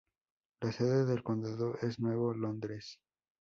La sede del condado es Nuevo Londres.